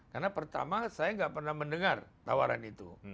karena pertama saya gak pernah mendengar tawaran itu